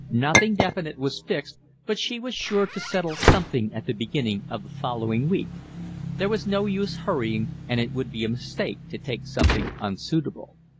Nothing definite was fixed, but she was sure to settle something at the beginning of the following week: there was no use hurrying, and it would be a mistake to take something unsuitable.